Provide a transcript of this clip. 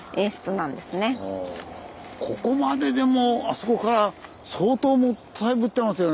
ここまででもあそこから相当もったいぶってますよね。